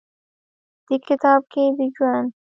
دې کتاب کښې د ژوند